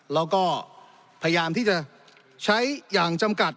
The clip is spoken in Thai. แล้วก็พยายามที่จะใช้อย่างจำกัด